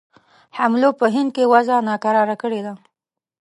حملو په هند کې وضع ناکراره کړې ده.